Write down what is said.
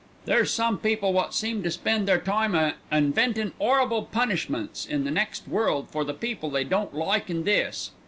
"There's some people wot seem to spend their time a inventin' 'orrible punishments in the next world for the people they don't like in this."